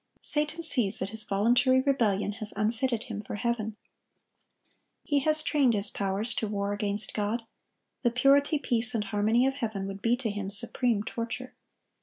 Satan sees that his voluntary rebellion has unfitted him for heaven. He has trained his powers to war against God: the purity, peace, and harmony of heaven would be to him supreme torture.